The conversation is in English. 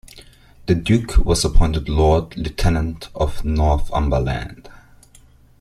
The Duke was appointed Lord Lieutenant of Northumberland.